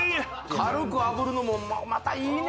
軽く炙るのもまたいいね